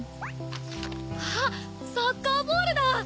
あっサッカーボールだ！